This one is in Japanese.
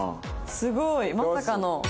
すごい！まさかの。